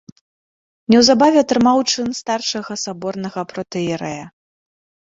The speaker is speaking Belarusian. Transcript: Неўзабаве атрымаў чын старшага саборнага протаіерэя.